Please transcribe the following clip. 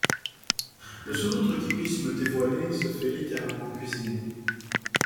Le seul autre qui puisse me dévoiler se fait littéralement cuisiner.